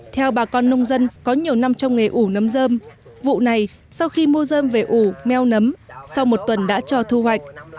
theo bà con nông dân có nhiều năm trong nghề ủ nấm dơm vụ này sau khi mua dơm về ủ meo nấm sau một tuần đã cho thu hoạch